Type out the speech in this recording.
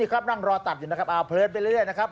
ครับนั่งรอตัดอยู่นะครับเอาเพลินไปเรื่อยนะครับ